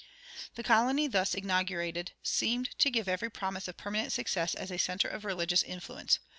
The colony thus inaugurated seemed to give every promise of permanent success as a center of religious influence.